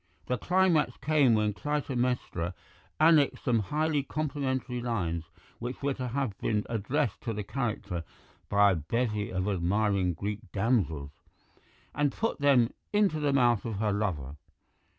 The climax came when Clytemnestra annexed some highly complimentary lines, which were to have been addressed to the charioteer by a bevy of admiring Greek damsels, and put them into the mouth of her lover.